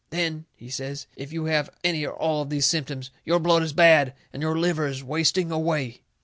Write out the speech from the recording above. Then," he says, "if you have any or all of these symptoms, your blood is bad, and your liver is wasting away."